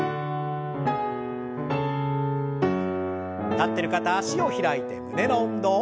立ってる方脚を開いて胸の運動。